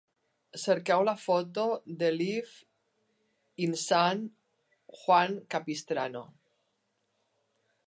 Cerqueu la foto de Live in San Juan Capistrano.